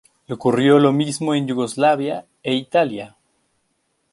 Le ocurrió lo mismo en Yugoslavia e Italia.